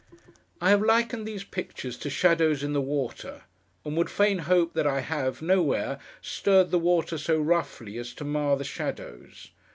I have likened these Pictures to shadows in the water, and would fain hope that I have, nowhere, stirred the water so roughly, as to mar the shadows.